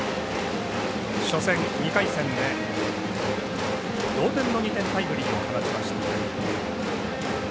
初戦、２回戦で同点の２点タイムリーを放ちました。